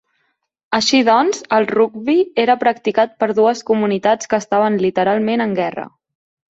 Així doncs, el rugbi era practicat per dues comunitats que estaven literalment en guerra.